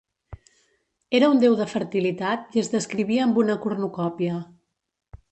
Era un déu de fertilitat i es descrivia amb una cornucòpia.